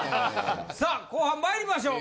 さあ後半参りましょう。